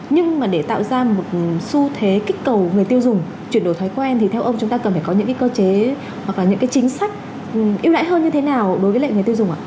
nhưng mà để tạo ra một xu thế kích cầu người tiêu dùng chuyển đổi thói quen thì theo ông chúng ta cần phải có những cơ chế hoặc là những cái chính sách ưu đãi hơn như thế nào đối với lại người tiêu dùng ạ